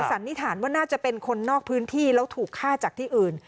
สันนิษฐานว่าน่าจะเป็นคนนอกพื้นที่แล้วถูกฆ่าจากที่อื่น